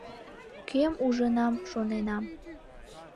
Кӧм ужынам, шоненам.